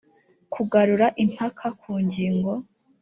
kugarura impaka ku ngingo